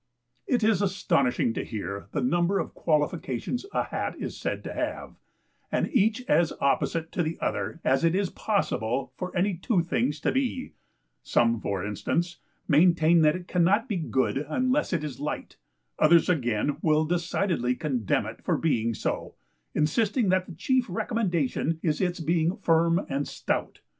It is astonishing to hear the number of qualifications a Hat is said to have, and each as opposite to the other as it is possible for any two things to be; some, for instance, maintain that it cannot be good unless it is light, others again will decidedly condemn it for being so, insisting that the chief recommendation is its being firm and stout.